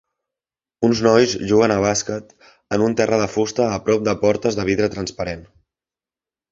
Uns nois juguen a bàsquet en un terra de fusta a prop de portes de vidre transparent.